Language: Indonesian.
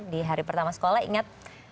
di hari pertama sekolah ingat